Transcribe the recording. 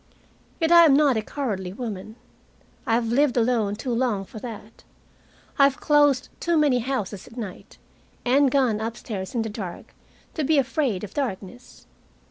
Yet I am not a cowardly woman. I have lived alone too long for that. I have closed too many houses at night and gone upstairs in the dark to be afraid of darkness.